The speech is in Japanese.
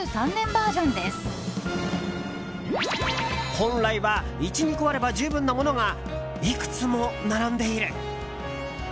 本来は１２個あれば十分なものがいくつも並んでいる。